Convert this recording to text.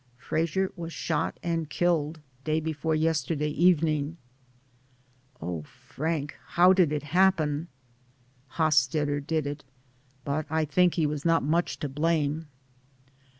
"Frasier was shot and killed day before yesterday evening." 194 DAYS ON THE ROAD. "Oh, Frank; how did it happen?" *'Hosstetter did it, but I think he was not much to blame."